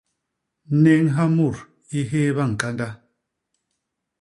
Néñha mut i hééba ñkanda.